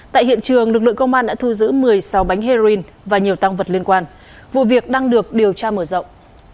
tại hiện trường lực lượng công an đã thu giữ một mươi sáu bánh heroin và nhiều tăng vật liên quan vụ việc đang được điều tra mở rộng